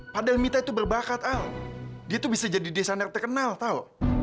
padahal mita itu berbakat allah dia tuh bisa jadi desainer terkenal tahu